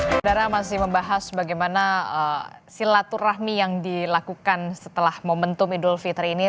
saudara masih membahas bagaimana silaturahmi yang dilakukan setelah momentum idul fitri ini